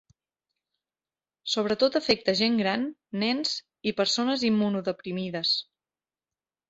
Sobretot afecta gent gran, nens i persones immunodeprimides.